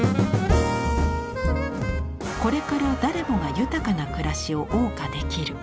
これから誰もが豊かな暮らしを謳歌できる。